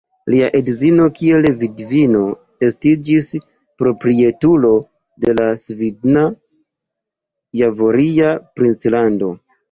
Lia edzino kiel vidvino estiĝis proprietulo de la Svidna-Javoria princlando.